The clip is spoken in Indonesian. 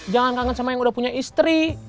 jangan kangen sama yang udah punya istri